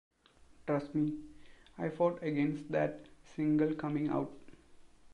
Trust me, I fought against that single coming out.